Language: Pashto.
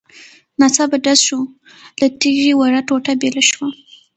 . ناڅاپه ډز شو، له تيږې وړه ټوټه بېله شوه.